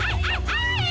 wah keras banget ya